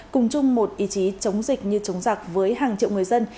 cùng chung một ý chí chống dịch như chống giặc với hàng triệu người dân